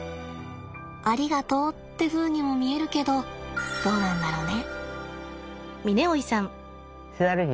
ありがとってふうにも見えるけどどうなんだろうね。